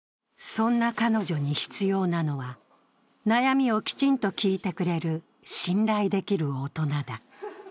そんな彼女に必要なのは、悩みをきちんと聞いてくれる信頼できる大人だ。